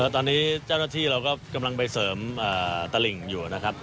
ตอนนี้เจ้าหน้าที่เราก็กำลังไปเสริมตะหลิ่งอยู่นะครับ